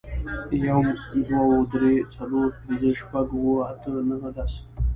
يوه، دوو، درو، څلورو، پنځو، شپږو، اوو، اتو، نهو، لسو